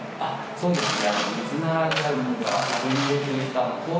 そうですね。